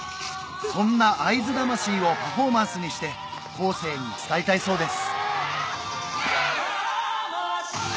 そんな会津魂をパフォーマンスにして後世に伝えたいそうです